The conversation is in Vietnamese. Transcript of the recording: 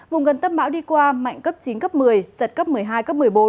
vùng gần tâm bão đi qua mạnh cấp chín cấp một mươi giật cấp một mươi hai cấp một mươi bốn